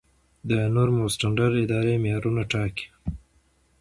د نورم او سټنډرډ اداره معیارونه ټاکي